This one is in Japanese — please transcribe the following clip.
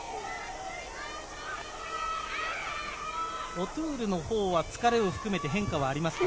オトゥールは疲れを含めて変化はありますか？